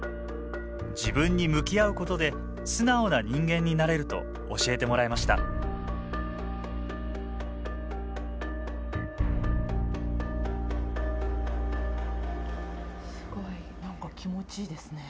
自分に向き合うことで素直な人間になれると教えてもらいましたすごい何か気持ちいいですね。